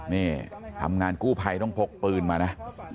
นี่ทำงานกู้ภัยต้องพกปืนมานะ